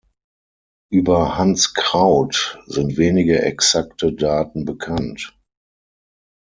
Über Hans Kraut sind wenige exakte Daten bekannt.